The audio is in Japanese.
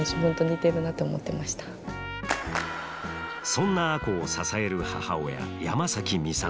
そんな亜子を支える母親山崎美里。